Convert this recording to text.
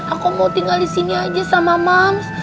aku mau tinggal di sini aja sama mans